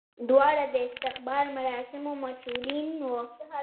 دواړه د استقبال مراسمو مسولین وو.